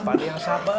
padae yang sabar